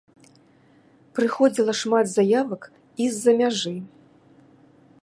Прыходзіла шмат заявак і з-за мяжы.